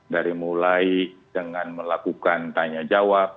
dari mulai dengan melakukan tanya jawab